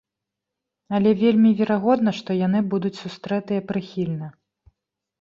Але вельмі верагодна, што яны будуць сустрэтыя прыхільна.